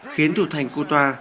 khiến thủ thành couta